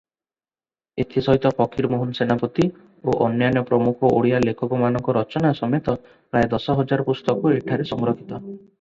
ଏଥିସହିତ ଫକୀରମୋହନ ସେନାପତି ଓ ଅନ୍ୟାନ୍ୟ ପ୍ରମୁଖ ଓଡ଼ିଆ ଲେଖକମାନଙ୍କ ରଚନା ସମେତ ପ୍ରାୟ ଦଶ ହଜାର ପୁସ୍ତକ ଏଠାରେ ସଂରକ୍ଷିତ ।